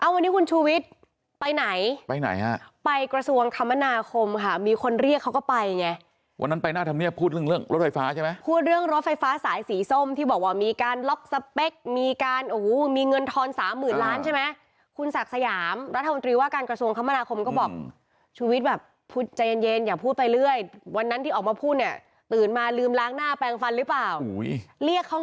วันนี้คุณช่วงช่วงช่วงช่วงช่วงช่วงช่วงช่วงช่วงช่วงช่วงช่วงช่วงช่วงช่วงช่วงช่วงช่วงช่วงช่วงช่วงช่วงช่วงช่วงช่วงช่วงช่วงช่วงช่วงช่วงช่วงช่วงช่วงช่วงช่วงช่วงช่วงช่วงช่วงช่วงช่วงช่วงช่วงช่วงช่วงช่วงช่วงช่วงช่วงช่วงช่วงช่วงช่วงช่วง